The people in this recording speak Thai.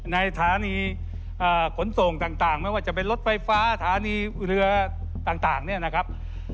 ฐานีขนส่งต่างไม่ว่าจะเป็นรถไฟฟ้าฐานีเรือต่างเนี่ยนะครับ